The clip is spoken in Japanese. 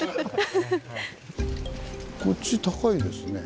こっち高いですね。